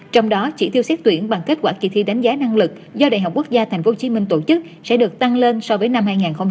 trong đó chỉ tiêu xét tuyển bằng kết quả kỳ thi đánh giá năng lực do đại học quốc gia tp hcm tổ chức sẽ được tăng lên so với năm hai nghìn một mươi tám